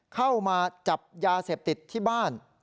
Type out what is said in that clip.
เข้ามาจับยาเสพติดที่บ้าน